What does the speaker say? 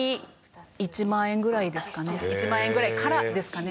「１万円ぐらいからですかね」